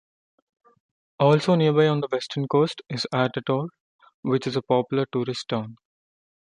Also nearby on the western coast is Artatore, which is a popular tourist town.